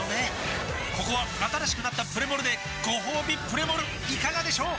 ここは新しくなったプレモルでごほうびプレモルいかがでしょう？